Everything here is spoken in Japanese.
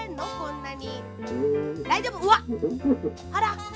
なに！？